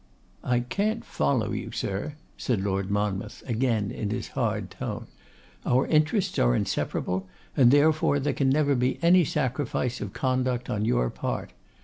'I can't follow you, sir,' said Lord Monmouth, again in his hard tone. 'Our interests are inseparable, and therefore there can never be any sacrifice of conduct on your part.